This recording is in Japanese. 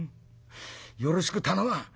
よろしく頼むわ」。